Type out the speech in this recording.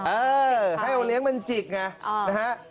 เอ่อให้เลี้ยงมันจิกไงนะครับใช่ครับ